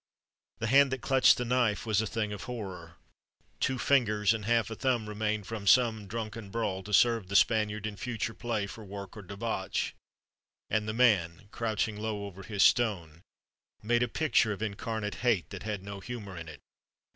The hand that clutched the knife was a thing of horror; two fingers and half the thumb remained from some drunken brawl to serve the Spaniard in future play for work or debauch; and the man, crouching low over his stone, made a picture of incarnate hate that had no humor in it.